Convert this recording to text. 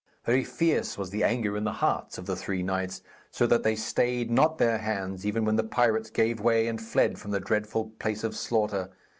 Very fierce was the anger in the hearts of the three knights, so that they stayed not their hands even when the pirates gave way and fled from the dreadful place of slaughter.